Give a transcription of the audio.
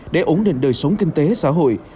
để ổn định đời sống kinh tế xã hội